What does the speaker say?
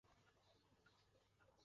নতুনদের জানা উচিত, তাই না?